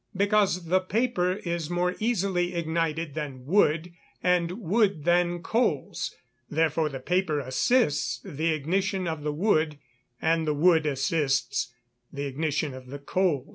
_ Because the paper is more easily ignited than wood, and wood than coals; therefore the paper assists the ignition of the wood, and the wood assists the ignition of the coals.